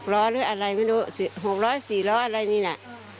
๖รถหรืออะไรไม่รู้๖รถหรือ๔รถอะไรนี่น่ะ